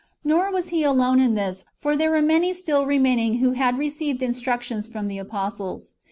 Nor was he alone [in this], for there were many still remaining who had received instructions from the apostles.